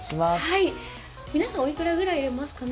皆さん、おいくらぐらい入れますかね？